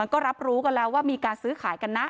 ก็รับรู้กันแล้วว่ามีการซื้อขายกันนะ